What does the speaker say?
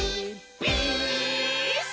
ピース！」